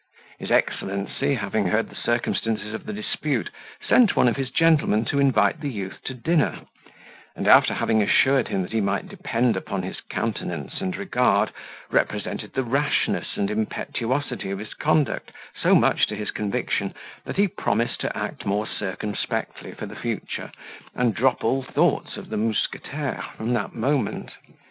His excellency, having heard the circumstances of the dispute, sent one of his gentlemen to invite the youth to dinner; and after having assured him that he might depend upon his countenance and regard, represented the rashness and impetuosity of his conduct so much to his conviction, that he promised to act more circumspectly for the future, and drop all thoughts of the mousquetaire from that moment.